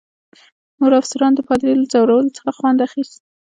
نورو افسرانو د پادري له ځورولو څخه خوند اخیست.